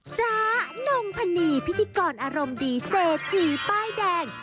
จ้านงพนีพิธีกรอารมณ์ดีเศรษฐีป้ายแดง